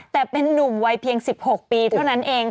แต่เป็นนุ่มวัยเพียง๑๖ปีเท่านั้นเอง